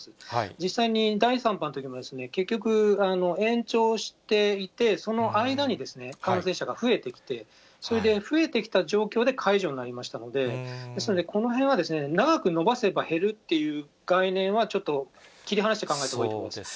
実際に第３波のときも、結局、延長していて、その間にですね、感染者が増えてきて、それで増えてきた状況で解除になりましたので、ですのでこのへんは、長く延ばせば減るっていう概念は、ちょっと切り離して考えたほうがいいと思いますね。